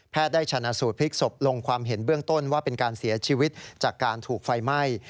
ได้ชนะสูตรพลิกศพลงความเห็นเบื้องต้นว่าเป็นการเสียชีวิตจากการถูกไฟไหม้